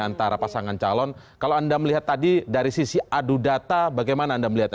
antara pasangan calon kalau anda melihat tadi dari sisi adu data bagaimana anda melihatnya